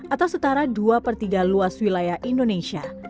atau setara dua per tiga luas wilayah indonesia